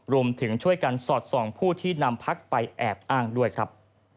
รวมถึงช่วยกันสอดส่องผู้ที่นำพักไปแอบอ้างด้วยครับ